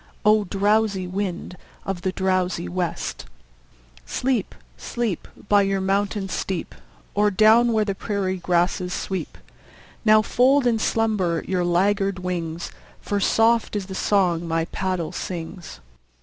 O! drowsy wind of the drowsy west, Sleep, sleep, By your mountain steep, Or down where the prairie grasses sweep! Now fold in slumber your laggard wings, For soft is the song my paddle sings.